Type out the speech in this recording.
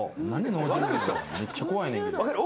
めっちゃ怖いねんけど。